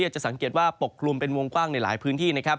จะสังเกตว่าปกกลุ่มเป็นวงกว้างในหลายพื้นที่นะครับ